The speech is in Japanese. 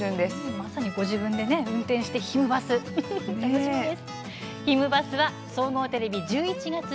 まさにご自分で運転してね楽しみです。